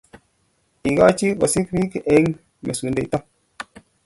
Igochi kosik bik eng' mesundeito